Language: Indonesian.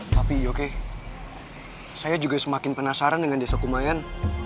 tapi oke saya juga semakin penasaran dengan desa kumayan